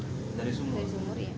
dari sumur ya